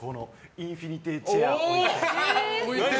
インフィニティーチェアとか。